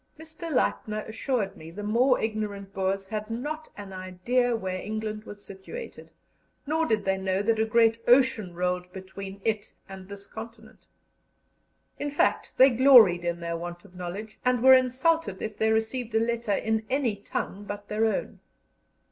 Mr. Leipner assured me the more ignorant Boers had not an idea where England was situated, nor did they know that a great ocean rolled between it and this continent. In fact, they gloried in their want of knowledge, and were insulted if they received a letter in any tongue but their own.